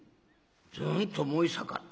ズンと燃え盛った？」。